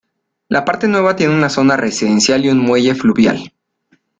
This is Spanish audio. La parte nueva tiene una zona residencial y un muelle fluvial.